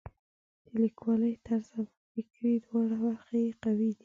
د لیکوالۍ طرز او فکري دواړه برخې یې قوي دي.